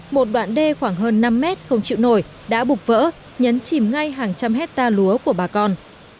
một đoạn đê khoảng hơn năm mét không chịu nổi đã bục vỡ nhấn chìm ngay hàng trăm hectare lúa của bà con